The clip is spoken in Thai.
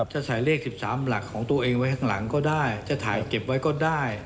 จะใส่เลข๑๓หลักของตัวเองไว้ข้างหลังก็ได้จะถ่ายเก็บไว้ก็ได้